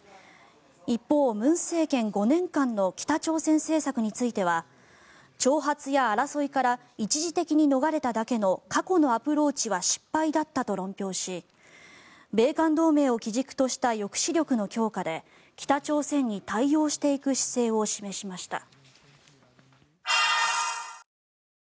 一方、文政権５年間の北朝鮮政策については挑発や争いから一時的に逃れただけの過去のアプローチは失敗だったと論評し米韓同盟を基軸とした抑止力の強化で北朝鮮に対応していく姿勢を示しました。